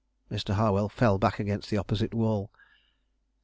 Mr. Harwell fell back against the opposite wall.